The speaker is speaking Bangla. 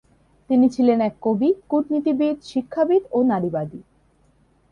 তিনি ছিলেন এক কবি, কূটনীতিবিদ, শিক্ষাবিদ ও নারীবাদী।